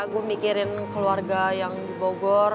gue mikirin keluarga yang dibogor